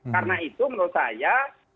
karena itu menurut saya